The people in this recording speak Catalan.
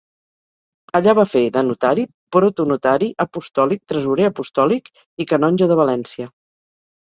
Allà va fer de notari, protonotari apostòlic, tresorer apostòlic, i canonge de València.